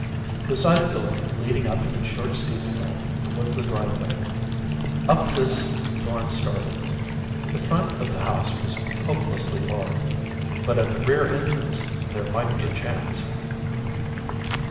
Beside the building, leading up in a short steep hill, was the driveway. Up this Thorn started. The front of the house was hopelessly barred; but at the rear entrance there might be a chance.